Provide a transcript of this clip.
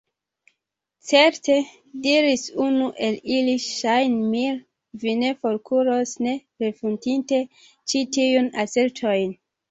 Certe, diris unu el ili, ŝajnmire, vi ne forkuros, ne refutinte ĉi tiujn asertojn!